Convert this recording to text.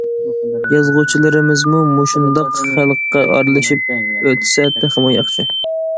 يازغۇچىلىرىمىزمۇ مۇشۇنداق خەلققە ئارىلىشىپ ئۆتسە تېخىمۇ ياخشى.